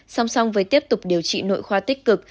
song song với tiếp tục điều trị nội khoa tích cực